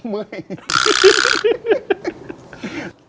เมื่อย